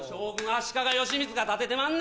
足利義満が建ててまんねん。